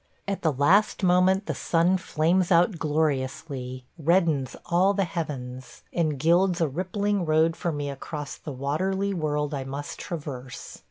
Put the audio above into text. At the last moment the sun flames out gloriously; reddens all the heavens, and gilds a rippling road for me across the waterly world I must traverse.